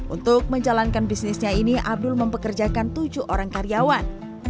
untuk menjalankan bisnisnya ini abdul mempekerjakan tujuh orang karyawan